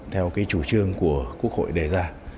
theo chủ trương của quốc hội đề ra